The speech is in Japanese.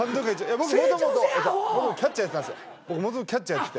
僕もともとキャッチャ―やってて。